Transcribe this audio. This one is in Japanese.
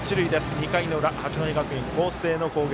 ２回の裏八戸学院光星の攻撃。